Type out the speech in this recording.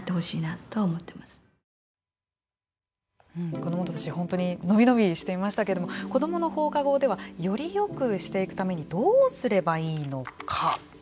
子どもたち、本当に伸び伸びしていましたけれども子どもの放課後ではよりよくしていくためにどうすればいいのか。